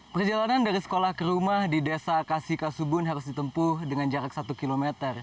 perjalanan dari sekolah ke rumah di desa kasih kasubun harus ditempuh dengan jarak satu km